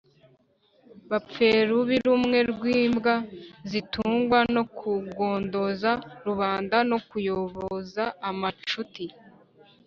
dupfuye rubi, rumwe rw’imbwa zitungwa no kugondoza rubanda no kuyoboza amacuti.